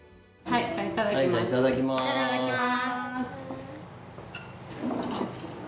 いただきます。